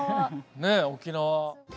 ねえ沖縄。